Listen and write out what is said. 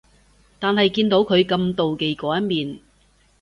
但係見到佢咁妒忌嗰一面